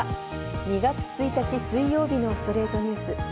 ２月１日、水曜日の『ストレイトニュース』。